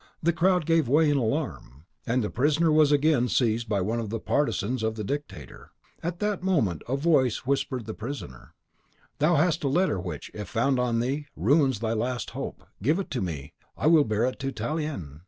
The crowd gave way in alarm, and the prisoner was again seized by one of the partisans of the Dictator. At that moment a voice whispered the prisoner, "Thou hast a letter which, if found on thee, ruins thy last hope. Give it to me! I will bear it to Tallien."